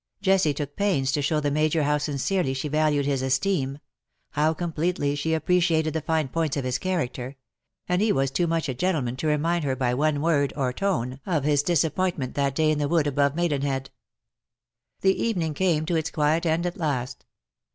Jessie took pains to show the Major how sincerely she valued his esteem — how completely she appreciated the fine points of his character; and he was too much a gentleman to remind her by one word or tone of 254 LE SECRET DE POLICHINELLE. his disappointment that day in the wood above Maidenhead. The evening came to its quiet end at last.